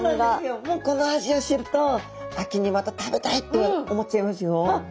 もうこの味を知ると秋にまた食べたいって思っちゃいますよ。